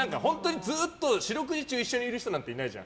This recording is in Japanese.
四六時中一緒にいる人なんていないじゃん。